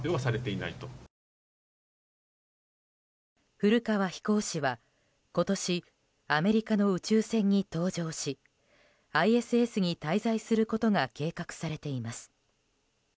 古川飛行士は今年アメリカの宇宙船に搭乗しＩＳＳに滞在することが計画されています。